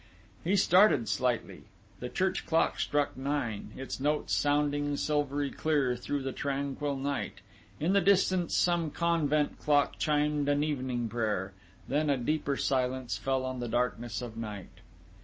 He started slightly. The church clock struck nine, its notes sounding silvery clear through the tranquil night ... in the distance some convent clock chimed an evening prayer, then a deeper silence fell on the darkness of night....